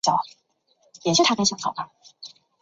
毕业于西安交通大学高电压专业。